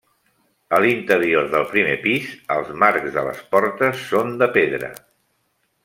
A l'interior del primer pis, els marcs de les portes són de pedra.